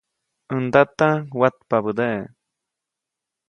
ʼÄj ndata watpabädeʼe.